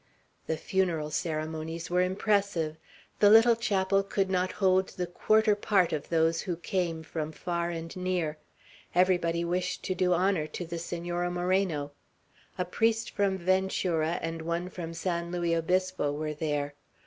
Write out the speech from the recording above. The funeral ceremonies were impressive. The little chapel could not hold the quarter part of those who came, from far and near. Everybody wished to do honor to the Senora Moreno. A priest from Ventura and one from San Luis Obispo were there.